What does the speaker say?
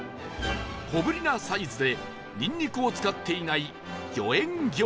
小ぶりなサイズでニンニクを使っていない